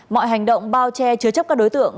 mọi hành động bao che chứa chấp các đối tượng